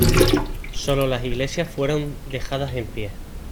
Sólo las iglesias fueron dejadas en pie.